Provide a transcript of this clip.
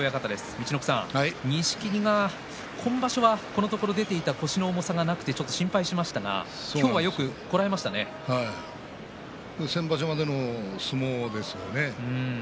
陸奥さん、錦木が今場所はこのところ出ていた腰の重さがなくて心配しましたが先場所までの相撲ですよね。